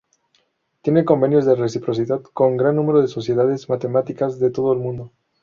Tiene convenios de reciprocidad con gran número de sociedades matemáticas de todo el mundo.